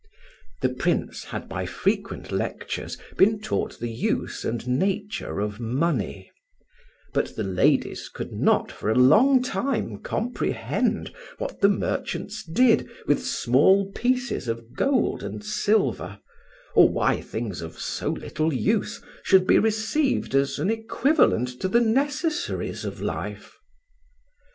The Prince had by frequent lectures been taught the use and nature of money; but the ladies could not for a long time comprehend what the merchants did with small pieces of gold and silver, or why things of so little use should be received as an equivalent to the necessaries of life.